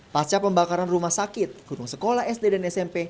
pasca pembakaran rumah sakit gunung sekolah sd dan smp